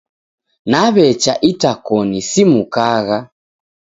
Naw'echa itakoni, simukagha.